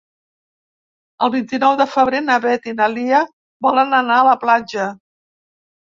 El vint-i-nou de febrer na Beth i na Lia volen anar a la platja.